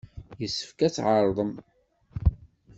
Yessefk ad tɛerḍem.